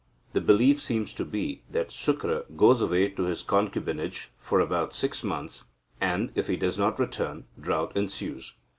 The belief seems to be that Sukra goes away to his concubinage for about six months, and, if he does not then return, drought ensues.